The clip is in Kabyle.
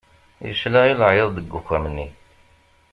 Yesla i leɛyaḍ deg uxxam-nni.